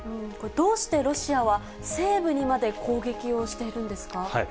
これ、どうしてロシアは、西部にまで攻撃をしているんですか。